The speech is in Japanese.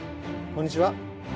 こんにちは。